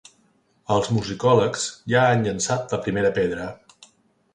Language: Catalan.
Els musicòlegs ja han llençat la primera pedra.